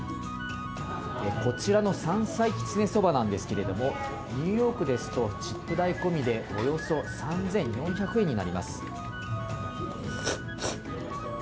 こちらの山菜きつねそばなんですけれども、ニューヨークですと、チップ代込みで、およそ３４００円になります。